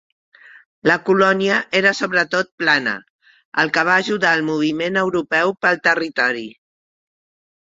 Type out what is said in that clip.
La colònia era sobretot plana, el que va ajudar al moviment europeu pel territori.